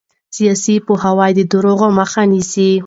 سیاسي پوهاوی د دروغو مخه نیسي